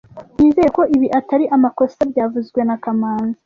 Nizere ko ibi atari amakosa byavuzwe na kamanzi